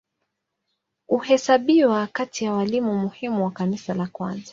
Huhesabiwa kati ya walimu muhimu wa Kanisa la kwanza.